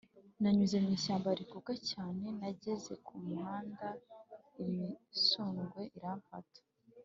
nanyuze mu ishyamba niruka cyane Nageze ku muhanda imisundwe iramfata